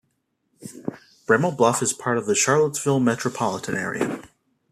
Bremo Bluff is part of the Charlottesville metropolitan area.